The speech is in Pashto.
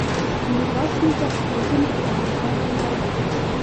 میرویس نیکه پوهنتون په کندهار کي دی.